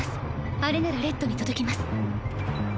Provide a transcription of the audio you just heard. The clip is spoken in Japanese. あれならレッドに届きます